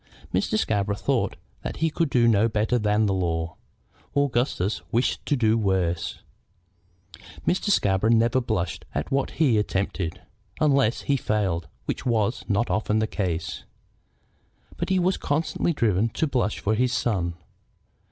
Mr. Scarborough thought that he could do better than the law. Augustus wished to do worse. Mr. Scarborough never blushed at what he himself attempted, unless he failed, which was not often the case. But he was constantly driven to blush for his son.